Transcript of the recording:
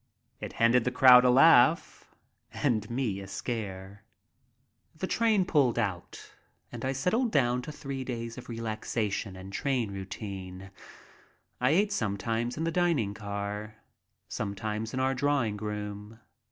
It handed the crowd a laugh and me a scare. The train pulled out and I settled down to three days of relaxation and train routine. I ate sometimes in the dining car, sometimes in our drawing room.